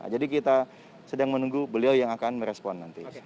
jadi kita sedang menunggu beliau yang akan merespon nanti